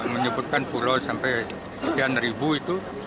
menyebutkan pulau sampai sekian ribu itu